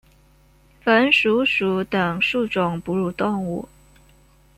鼢鼠属等数种哺乳动物。